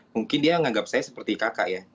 mungkin dia menganggap saya seperti kakak ya